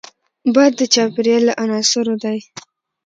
باد د چاپېریال له عناصرو دی